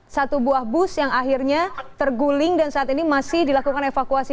satu buah bus yang akhirnya terguling dan saat ini masih dilakukan evakuasi